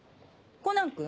コナン君？